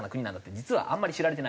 実はあんまり知られてないと。